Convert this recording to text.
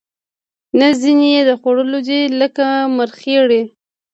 نه ځینې یې د خوړلو دي لکه مرخیړي